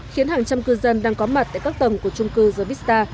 khiến hàng trăm cư dân đang có mặt tại các tầng của trung cư zavista